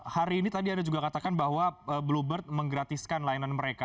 hari ini tadi anda juga katakan bahwa bluebird menggratiskan layanan mereka